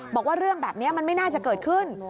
บอกว่าเรื่องแบบนี้มันไม่น่าจะเกิดขึ้น